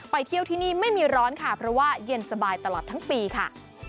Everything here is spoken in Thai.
เที่ยวที่นี่ไม่มีร้อนค่ะเพราะว่าเย็นสบายตลอดทั้งปีค่ะ